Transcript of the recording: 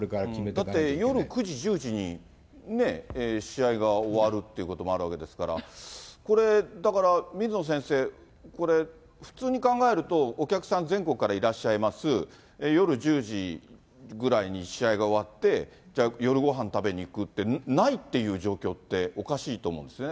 だって夜９時、１０時に試合が終わるってこともあるわけですから、これ、だから、水野先生、これ、普通に考えるとお客さん全国からいらっしゃいます、夜１０時ぐらいに試合が終わって、じゃあ、夜ごはん食べに行くって、ないっていう状況っておかしいと思うんですね。